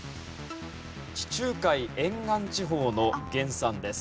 地中海沿岸地方の原産です。